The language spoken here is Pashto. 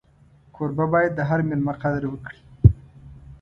کوربه باید د هر مېلمه قدر وکړي.